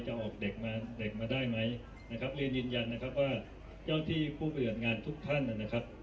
ออกเด็กมาเด็กมาได้ไหมนะครับเรียนยืนยันนะครับว่าเจ้าที่ผู้ปฏิบัติงานทุกท่านนะครับ